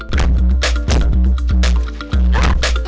pemirsa disini aja